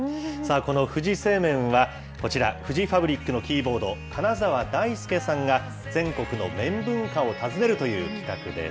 このフジ製麺は、こちら、フジファブリックのキーボード、金澤ダイスケさんが、全国の麺文化を訪ねるという企画です。